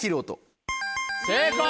正解。